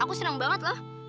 aku seneng banget loh